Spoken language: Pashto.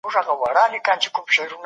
که هغوی سوله وکړي، هېواد به پرمختګ وکړي.